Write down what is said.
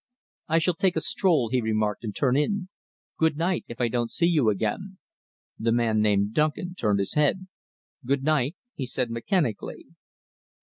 "I shall take a stroll." he remarked, "and turn in. Good night, if I don't see you again!" The man named Duncan turned his head. "Good night!" he said, mechanically.